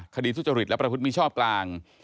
ทุจริตและประพฤติมิชอบกลาง